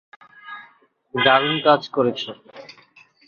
দারুণ কাজ করেছো!